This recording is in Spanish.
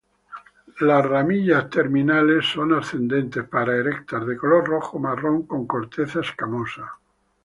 Las ramillas terminales son ascendente para erectas, de color rojo-marrón con corteza escamosa.